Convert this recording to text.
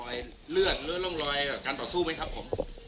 เลือดร่องรอยกับการต่อสู้ไหมครับผม